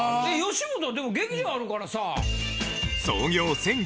吉本でも劇場あるからさ。